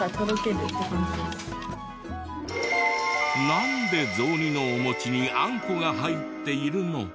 なんで雑煮のお餅にあんこが入っているの？